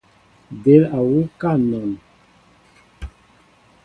Del á wuká anɔn.